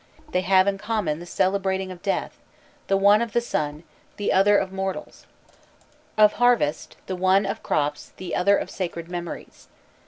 They have in common the celebrating of death: the one, of the sun; the other, of mortals: of harvest: the one, of crops; the other, of sacred memories.